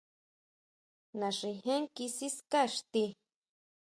Naxijén kí siská xti.